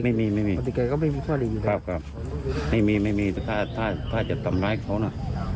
ไม่มีไม่มีไม่มีไม่มีไม่มีถ้าถ้าถ้าถ้าจะตำร้ายเขาน่ะ